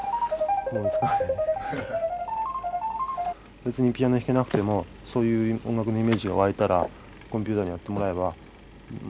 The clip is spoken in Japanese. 別にピアノ弾けなくてもそういう音楽のイメージが湧いたらコンピューターにやってもらえば。